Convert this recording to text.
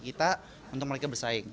kita untuk mereka bersaing